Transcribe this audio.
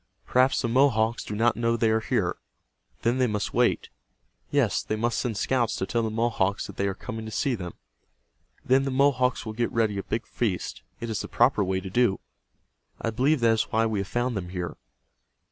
Perhaps the Mohawks do not know they are here. Then they must wait. Yes, they must send scouts to tell the Mohawks that they are coming to see them. Then the Mohawks will get ready a big feast. It is the proper way to do. I believe that is why we have found them here."